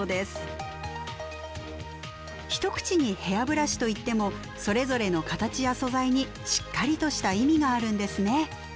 一口にヘアブラシといってもそれぞれの形や素材にしっかりとした意味があるんですね。